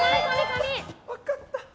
分かった！